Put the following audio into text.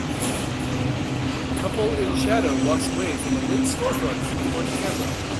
Couple in shadow walks away from a lit storefront toward camera